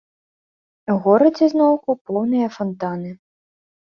У горадзе зноўку поўныя фантаны.